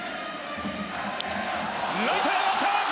ライトへ上がった！